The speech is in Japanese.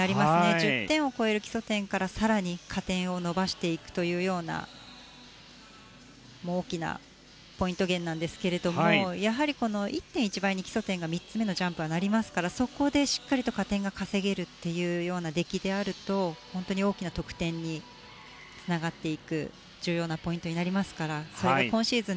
１０点を超える基礎点から更に加点を伸ばしていくというような大きなポイント源ですが１．１倍に基礎点が３つ目のジャンプはなりますからそこでしっかりと加点が稼げるという出来であると大きな得点につながっていく重要なポイントになりますからそれが今シーズン